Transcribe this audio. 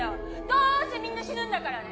どうせみんな死ぬんだからね